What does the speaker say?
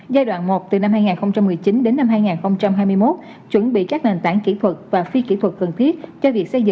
đấy rồi nó cũng giống như bánh cuốn kia đó